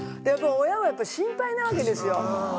親は心配なわけですよ。